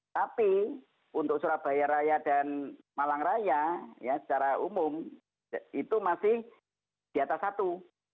tapi untuk surabaya raya dan malang raya secara umum itu masih di atas satu